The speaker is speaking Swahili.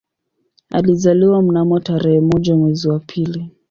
Alizaliwa mnamo tarehe moja mwezi wa pili